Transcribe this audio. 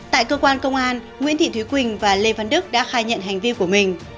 tại cơ quan công an nguyễn thị thúy quỳnh và lê văn đức đã khai nhận hành vi của mình